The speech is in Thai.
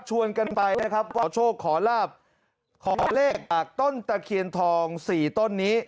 กันไปนะครับขอโชคขอลาบขอเลขจากต้นตะเคียนทองสี่ต้นนี้